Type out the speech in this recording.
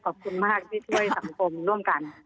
ขอบคุณมากที่ช่วยสังคมร่วมกัน